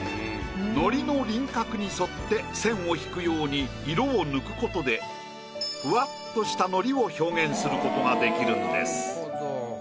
海苔の輪郭に沿って線を引くように色を抜くことでふわっとした海苔を表現することができるんです。